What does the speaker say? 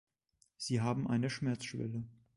Sie haben eine Schmerzschwelle.